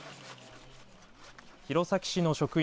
弘前市の職員